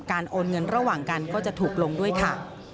โอนเงินระหว่างกันก็จะถูกลงด้วยค่ะ